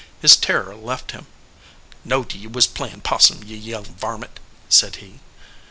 His terror left him. "Knowed ye was playin possum, ye young varmint," said he.